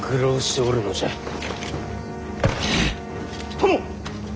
殿。